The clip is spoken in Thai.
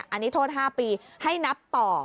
อันนี้โทษ๕ปีให้นับต่อ